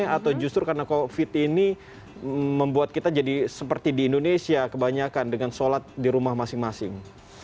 atau justru karena covid ini membuat kita jadi seperti di indonesia kebanyakan dengan sholat di rumah masing masing